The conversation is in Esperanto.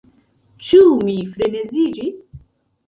Ĉu mi freneziĝis?